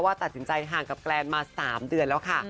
ตัดสินใจห่างกับแกรนมา๓เดือนแล้วค่ะ